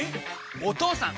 お義父さん！